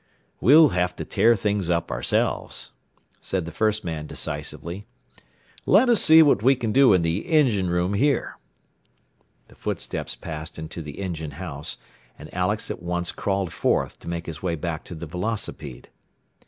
"We'll have to tear things up ourselves," said the first man decisively. "Let us see what we can do in the engine room here." The footsteps passed into the engine house, and Alex at once crawled forth, to make his way back to the velocipede.